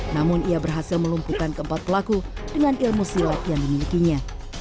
namun ia berhasil melumpuhkan keempat pelaku dengan ilmu silat yang dimilikinya